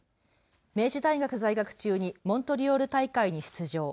明治大学在学中にモントリオール大会に出場。